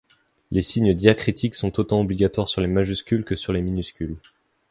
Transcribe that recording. Les signes diacritiques sont autant obligatoires sur les majuscules que sur les minuscules.